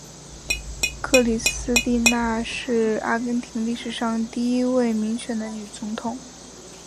克里斯蒂娜是阿根廷历史上第一位民选的女总统。